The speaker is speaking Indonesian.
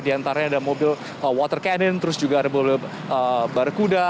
di antaranya ada mobil water cannon terus juga ada mobil barkuda